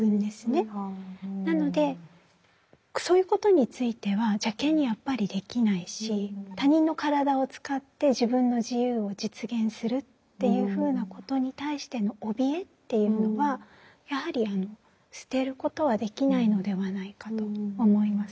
なのでそういうことについては邪けんにやっぱりできないし他人の体を使って自分の自由を実現するっていうふうなことに対してのおびえっていうのはやはり捨てることはできないのではないかと思います。